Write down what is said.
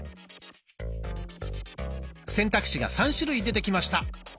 選択肢が３種類出てきました。